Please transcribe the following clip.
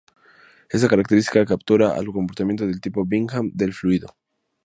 Esta característica captura el comportamiento del tipo Bingham del fluido.